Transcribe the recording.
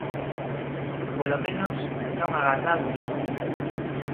Polo menos, non agardados.